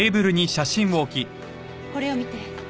これを見て。